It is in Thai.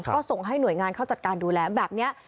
ก็ส่งให้หน่วยงานเข้าจัดการดูแลแบบนี้